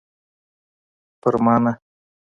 په ما نه.